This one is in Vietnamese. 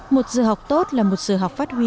một giờ học tốt là một giờ học phát huy